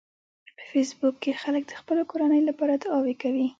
په فېسبوک کې خلک د خپلو کورنیو لپاره دعاوې کوي